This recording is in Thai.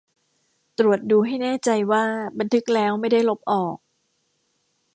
ตรวจดูให้แน่ใจว่าบันทึกแล้วไม่ได้ลบออก